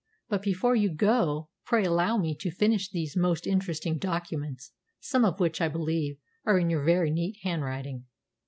"But before you go, pray allow me to finish these most interesting documents, some of which, I believe, are in your very neat handwriting."